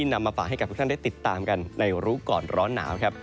นำมาฝากให้กับทุกท่านได้ติดตามกันในรู้ก่อนร้อนหนาวครับ